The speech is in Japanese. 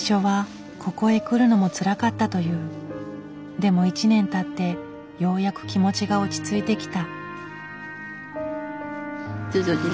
でも１年たってようやく気持ちが落ち着いてきた。